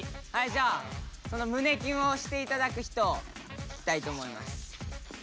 じゃあその胸キュンをして頂く人を引きたいと思います。